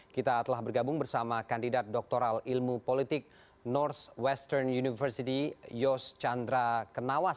kita telah bergabung bersama kandidat doktoral ilmu politik north western university yos chandra kenawas